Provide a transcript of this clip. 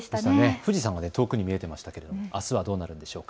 富士山も遠くに見えましたけれどもあすはどうでしょうか。